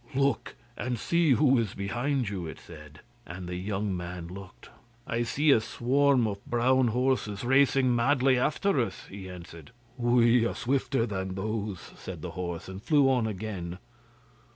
'Look and see who is behind you,' it said; and the young man looked. 'I see a swarm of brown horses racing madly after us,' he answered. 'We are swifter than those,' said the horse, and flew on again.